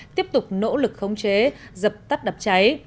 tiếp tục nỗ lực khống chế dập tắt đám cháy